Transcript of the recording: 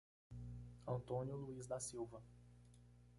Antônio Luiz da Silva